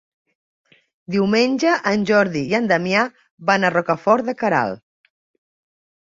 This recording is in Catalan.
Diumenge en Jordi i en Damià van a Rocafort de Queralt.